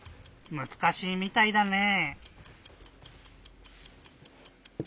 むずかしいみたいだねぇ。